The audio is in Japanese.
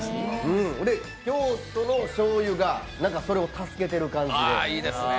京都の醤油がそれを助けてる感じで。